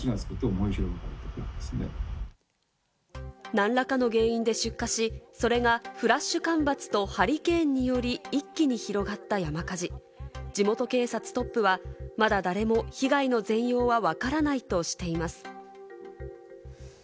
何らかの原因で出火し、それがフラッシュ干ばつとハリケーンにより、一気に広がった山火事、地元警察トップはまだ誰も被害の全容はわからないとしています。